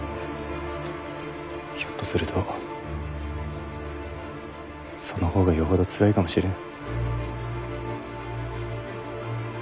ひょっとするとその方がよほどつらいかもしれぬ。